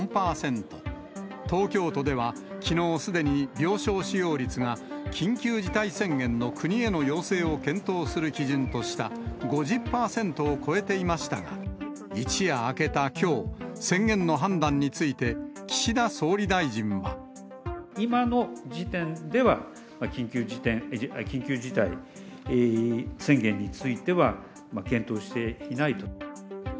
東京都ではきのうすでに、病床使用率が緊急事態宣言の国への要請を検討する基準とした５０％を超えていましたが、一夜明けたきょう、宣言の判断について、今の時点では、緊急事態宣言については、検討していないと。